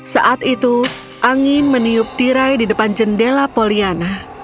saat itu angin meniup tirai di depan jendela poliana